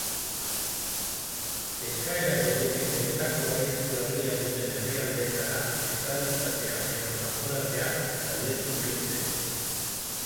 Eskaera gehienek benetako arrisku larria duten herrialdeetara estraditatzea edo kanporatzea saihestu nahi dute.